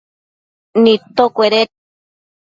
nidtocueded